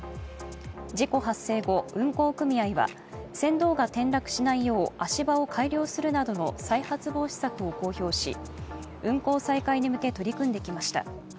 事故発生後、運航組合は船頭が転落しないよう足場を改良するなどの再発防止策を公表し運航再開に向け取り組んできました。